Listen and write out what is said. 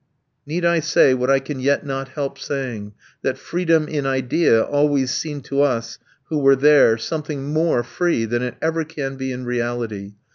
Need I say what I can yet not help saying, that freedom in idea always seemed to us who were there something more free than it ever can be in reality?